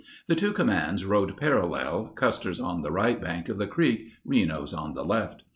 The two commands rode parallel, Custer's on the right bank of the creek, Reno's on the left.